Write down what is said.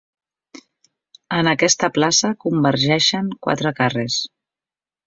En aquesta plaça convergeixen quatre carrers.